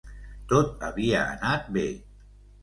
Tot havia anat bé.